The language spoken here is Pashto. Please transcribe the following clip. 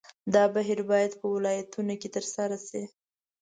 دا بهیر باید په ولایتونو کې ترسره شي.